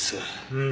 うん。